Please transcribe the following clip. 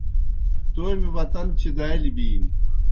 تومیْ وطن چِدالیْ بِینیْ۔